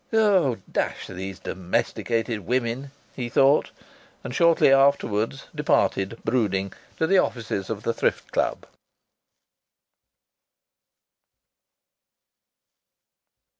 "Oh! Dash these domesticated women!" he thought, and shortly afterwards departed, brooding, to the offices of the Thrift Club.